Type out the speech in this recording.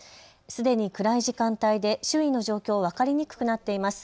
すでに暗い時間帯で周囲の状況、分かりにくくなっています。